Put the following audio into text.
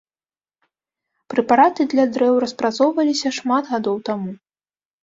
Прэпараты для дрэў распрацоўваліся шмат гадоў таму.